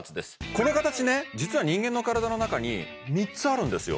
この形ね実は人間の体の中に３つあるんですよ